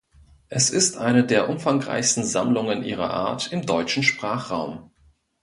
Es ist eine der umfangreichsten Sammlungen ihrer Art im deutschen Sprachraum.